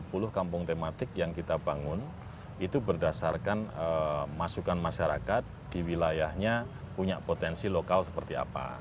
jadi tiga puluh kampung tematik yang kita bangun itu berdasarkan masukan masyarakat di wilayahnya punya potensi lokal seperti apa